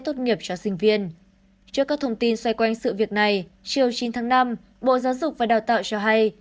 trước các thông tin xoay quanh sự việc này chiều chín tháng năm bộ giáo dục và đào tạo cho hay